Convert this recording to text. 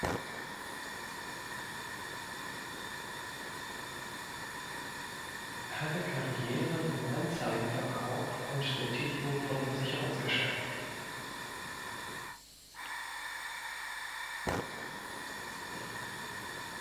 Er hatte Karrieren im Anzeigenverkauf und der Tätigung von Versicherungsgeschäften.